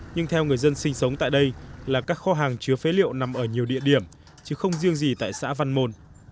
nhưng theo người dân sinh sống tại đây là các kho hàng chứa phế liệu nằm ở nhiều địa điểm chứ không riêng gì tại xã văn môn